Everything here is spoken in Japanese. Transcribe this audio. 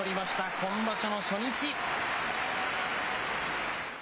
今場所の初日。